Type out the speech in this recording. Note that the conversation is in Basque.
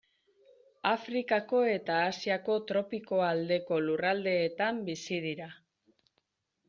Afrikako eta Asiako tropiko aldeko lurraldeetan bizi dira.